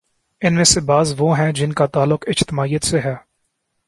ان میں سے بعض وہ ہیں جن کا تعلق اجتماعیت سے ہے۔